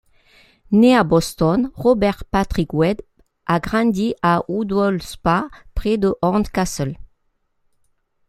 Né à Boston, Robert Patrick Webb a grandi à Woodhall Spa près de Horncastle.